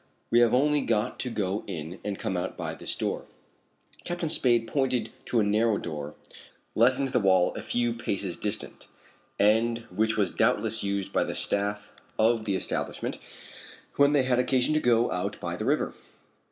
We have only got to go in and come out by this door." Captain Spade pointed to a narrow door let into the wall a few paces distant, and which was doubtless used by the staff of the establishment when they had occasion to go out by the river.